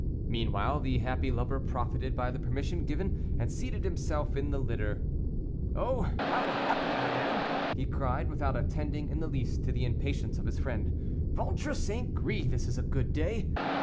Meanwhile the happy lover profited by the permission given, and seated himself in the litter. "Oh! how happy I am," he cried, without attending in the least to the impatience of his friend "ventre St. Gris, this is a good day.